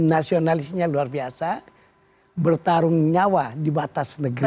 nasionalisnya luar biasa bertarung nyawa di batas negeri